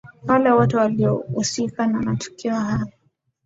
wale wote wanaohusika na matukio hayo